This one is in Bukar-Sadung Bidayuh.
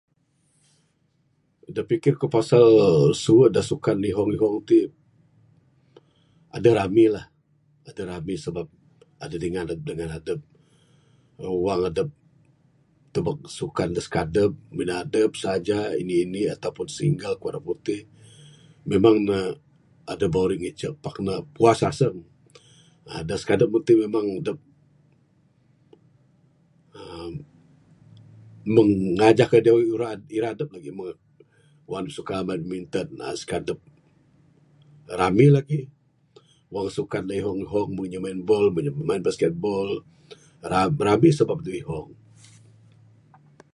Da pikir ku pasal suwe da ihong ihong ti adeh rami la adeh rami la sebab adeh dingan da dangan adep wang adep tubek sukan da skadep mina adep saja Indi indi ato pun single kuan ramputih memang ne adeh boring icek pak puas aseng. Da skadep meng ti memang adep uhh ngajah kayuh da ura ira adep lagih wang ne suka badminton uhh skadep ne rami lagih. Wang sukan inya da ihong ihong meng inya main bol, main basketball rami sebab ne ihong.